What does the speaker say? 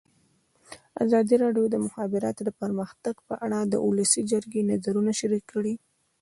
ازادي راډیو د د مخابراتو پرمختګ په اړه د ولسي جرګې نظرونه شریک کړي.